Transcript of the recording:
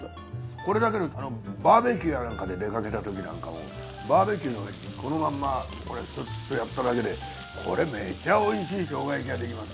これだけでバーベキューやなんかで出かけたときなんかもバーベキューの上にこのまんまこれスッとやっただけでこれめっちゃおいしい生姜焼きができます。